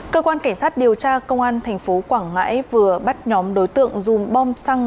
cơ quan cảnh sát điều tra công an tp quảng ngãi vừa bắt nhóm đối tượng dùng bom xăng